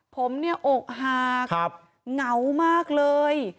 ผมเนี่ยอกหักเหงามากเลย